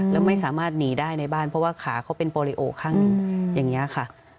แล้วไม่สามารถหนีได้ในบ้านเพราะว่าขาเขาเป็นโปรลิโอข้างหนึ่งอย่างนี้ค่ะ